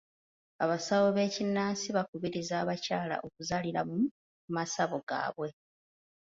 Abasawo b'ekinnansi bakubirizza abakyala okuzaalira mu masabo gaabwe.